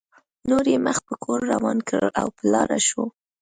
نور یې مخ په کور روان کړل او په لاره شو.